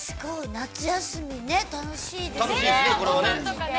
夏休み、楽しいですね。